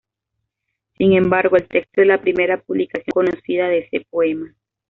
Sin embargo, el texto es la primera publicación conocida de ese poema.